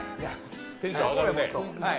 テンション上がるね。